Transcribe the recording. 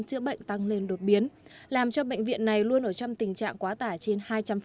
chữa bệnh tăng lên đột biến làm cho bệnh viện này luôn ở trong tình trạng quá tải trên hai trăm linh